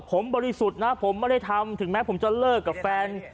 ผมบริสุทธิ์นะผมไม่ได้ทำถึงแม้ผมจะเลิกกับแฟน